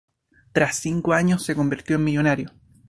Tras cinco años, se convirtió en millonario.